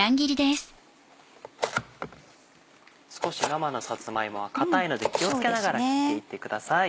少し生のさつま芋は硬いので気を付けながら切っていってください。